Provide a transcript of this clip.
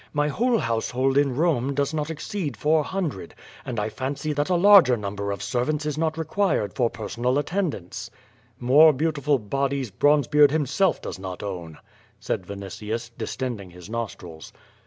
'Ttfy j whole household in Rome does not exceed four hundred, I and I fancy that a larger number of servants is not required I for personal attendance/^ More beautiful bodies, Bronzebeard himself does not own,'^ said Vinitius, distending his nostrils.